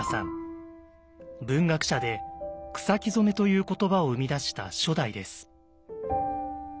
文学者で「草木染」という言葉を生み出した初代です。